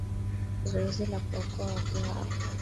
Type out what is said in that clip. zoezi la kuwaokoa watu hao